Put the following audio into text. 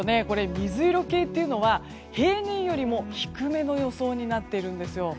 水色系というのは平年より低めの予想になっているんです。